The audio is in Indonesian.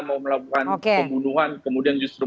mau melakukan pembunuhan kemudian justru